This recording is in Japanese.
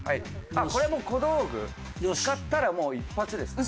これも小道具使ったらもう一発ですね。